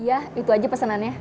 iya itu aja pesenannya